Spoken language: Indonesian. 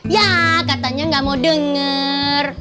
ya katanya gak mau denger